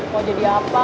mau jadi apa